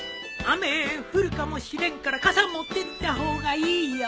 雨降るかもしれんから傘持ってった方がいいよ。